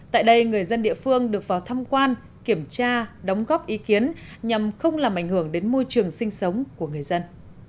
tại đây người dân địa phương được vào thăm quan kiểm tra đóng góp ý kiến nhằm không làm ảnh hưởng đến môi trường sinh sống của người dân